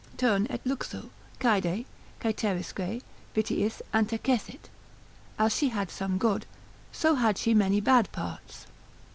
tum et luxu, caede, caeterisque vitiis antecessit, as she had some good, so had she many bad parts.